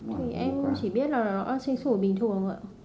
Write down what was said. thì em chỉ biết là nó xê sủi bình thường ạ